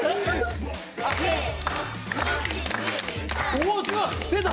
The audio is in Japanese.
おおすごい！出た！